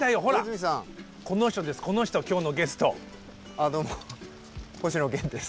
あどうも星野源です。